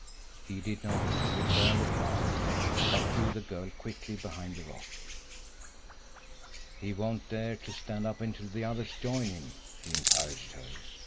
He did not return the fire, but drew the girl quickly behind the rock. "He won't dare to stand up until the others join him," he encouraged her.